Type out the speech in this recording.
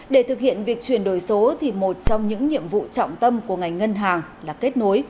để thực hiện việc chuyển đổi số thì một trong những nhiệm vụ trọng tâm của ngành ngân hàng là kết nối